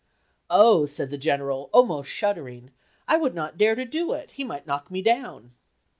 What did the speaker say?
"Oh," said the General, almost shuddering, "I would not dare to do it, he might knock me down."